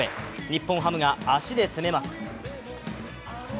日本ハムが足で攻めます。